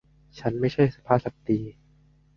ฉันไม่ใช่สุภาพสตรี